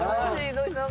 どうしたの？